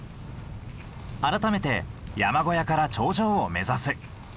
改めて山小屋から頂上を目指す。